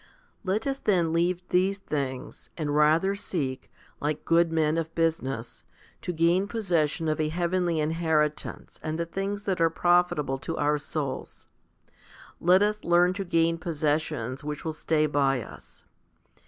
Let us then leave these things, and rather seek, like good men of business, to gain possession of a heavenly inheritance and the things that are profitable to our souls. Let us learn to gain possessions which will stay by us.